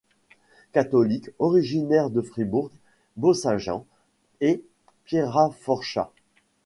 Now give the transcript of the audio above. Catholique, originaire de Fribourg, Bösingen et Pierrafortscha.